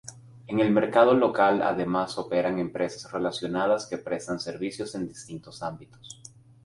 En el mercado local además operan empresas relacionadas que prestan servicios en distintos ámbitos.